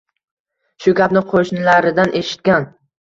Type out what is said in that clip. Shu gapni qoʻshnilaridan eshitgan.